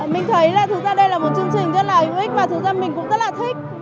mình thấy là thực ra đây là một chương trình rất là hữu ích và thực ra mình cũng rất là thích